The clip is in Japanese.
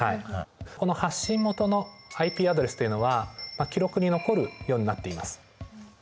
この発信元のＩＰアドレスというのは記録に残るようになっています。